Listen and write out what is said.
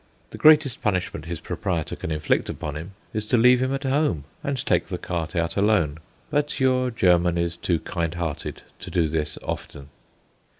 The greatest punishment his proprietor can inflict upon him is to leave him at home, and take the cart out alone. But your German is too kind hearted to do this often.